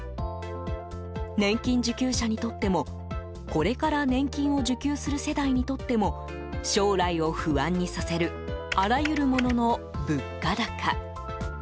年金受給者にとってもこれから年金を受給する世代にとっても将来を不安にさせるあらゆるものの物価高。